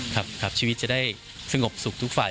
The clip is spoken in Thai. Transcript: ครับชีวิตจะได้สงบสุขทุกฝ่าย